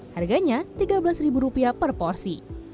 harganya tiga belas rupiah per porsi